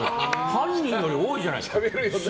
犯人より多いじゃないって。